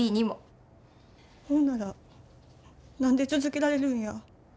ほんなら何で続けられるんや？